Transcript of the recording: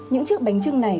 những chiếc bánh trưng này